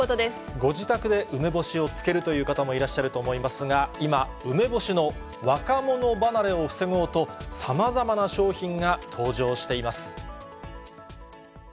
ご自宅で梅干しを漬けるという方もいらっしゃると思いますが、今、梅干しの若者離れを防ごうと、さまざまな商品が登場しています。